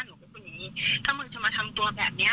หนูก็พูดอย่างนี้ถ้ามึงจะมาทำตัวแบบเนี้ย